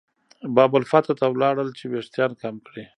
باب الفتح ته لاړل چې وېښتان کم کړي.